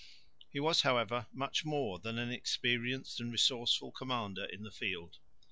He was, however, much more than an experienced and resourceful commander in the field.